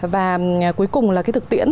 và cuối cùng là cái thực tiễn